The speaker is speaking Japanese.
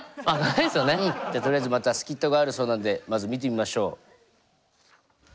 じゃあとりあえずまたスキットがあるそうなんでまず見てみましょう。